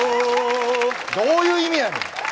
どういう意味やねん。